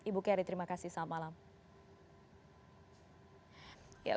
ibu keri terima kasih selamat malam